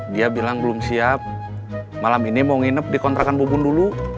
dia bilang belum siap malam ini mau nginep dikontrakan bu bun dulu